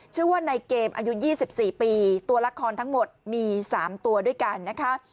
ชื่อว่าในเกมอายุ๒๔ปีตัวละครทั้งหมดมี๓ตัวด้วยกันนะคะ